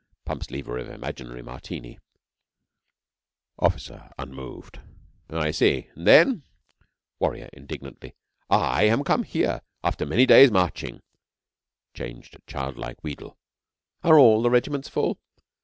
(pumps lever of imaginary Martini). OFFICER (unmoved). I see. And then? WARRIOR (indignantly). I am come here after many days' marching. (Change to childlike wheedle.) Are all the regiments full?